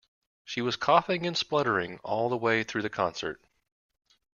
She was coughing and spluttering all the way through the concert.